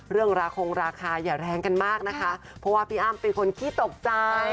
ราคงราคาอย่าแรงกันมากนะคะเพราะว่าพี่อ้ำเป็นคนขี้ตกใจ